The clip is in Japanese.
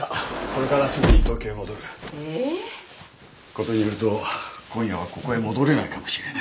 事によると今夜はここへ戻れないかもしれない。